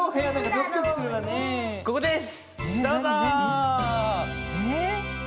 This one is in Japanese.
ここです。